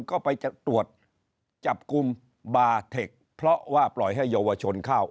ก็ไปตรวจจับกลุ่มบาเทคเพราะว่าปล่อยให้เยาวชนเข้า